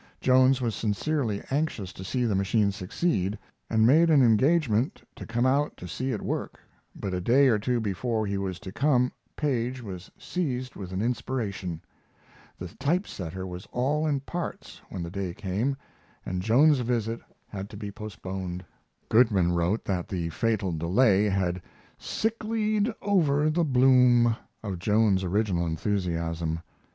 Jones was sincerely anxious to see the machine succeed, and made an engagement to come out to see it work, but a day or two before he was to come Paige was seized with an inspiration. The type setter was all in parts when the day came, and Jones's visit had to be postponed. Goodman wrote that the fatal delay had "sicklied over the bloom" of Jones's original enthusiasm.